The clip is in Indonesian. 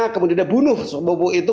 kemudian dibunuh sepupu itu